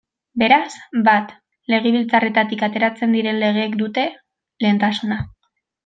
Beraz, bat, Legebiltzarretik ateratzen diren legeek dute lehentasuna.